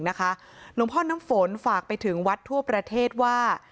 หลวงพ่อน้ำฝนฝากไปถึงวัดทั่วประเทศว่า